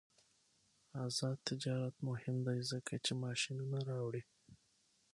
آزاد تجارت مهم دی ځکه چې ماشینونه راوړي.